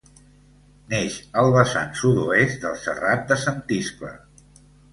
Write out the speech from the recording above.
Neix al vessant sud-oest del Serrat de Sant Iscle.